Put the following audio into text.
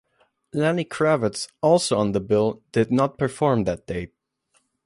Lenny Kravitz, also on the bill, did not perform that day.